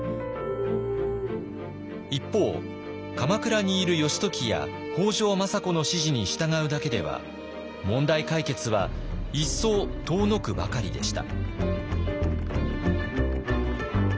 一方鎌倉にいる義時や北条政子の指示に従うだけでは問題解決は一層遠のくばかりでした。